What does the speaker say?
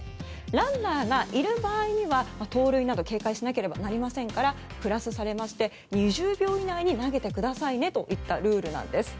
ランナーがいる場合には盗塁など警戒しなければなりませんからプラスされまして２０秒以内に投げてくださいねといったルールです。